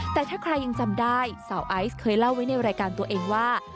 แต่ถ้าใครยังจำได้สาวไอซ์เคยเล่าไว้ในรายการตัวเองว่า